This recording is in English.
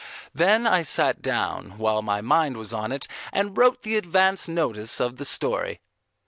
Then I sat down, while my mind was on it, and wrote the advance notice of the story.